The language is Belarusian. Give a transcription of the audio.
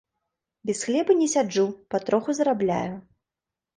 Без хлеба не сяджу, патроху зарабляю.